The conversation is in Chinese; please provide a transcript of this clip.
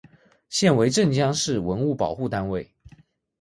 现为镇江市文物保护单位。